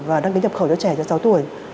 và đăng ký nhập khẩu cho trẻ cho sáu tuổi